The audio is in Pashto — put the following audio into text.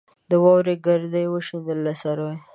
د واورې ګرد یې وشینده له سروې